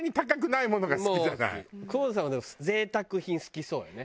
久保田さんはでも贅沢品好きそうよね。